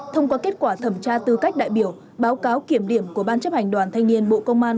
thông qua kết quả thẩm tra tư cách đại biểu báo cáo kiểm điểm của ban chấp hành đoàn thanh niên bộ công an